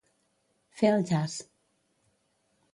Fer el jas.